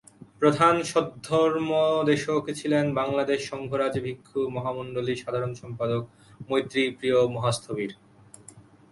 প্রধান সদ্ধর্মদেশক ছিলেন বাংলাদেশ সংঘরাজ ভিক্ষু মহামণ্ডলীর সাধারণ সম্পাদক মৈত্রী প্রিয় মহাস্থবির।